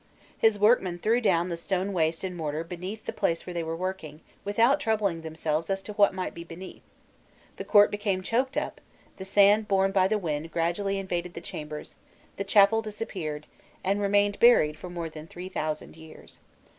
His workmen threw down the waste stone and mortar beneath the place where they were working, without troubling themselves as to what might be beneath; the court became choked up, the sand borne by the wind gradually invaded the chambers, the chapel disappeared, and remained buried for more than three thousand years.